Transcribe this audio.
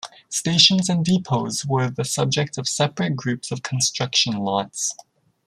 Stations and depots were the subject of separate groups of construction lots.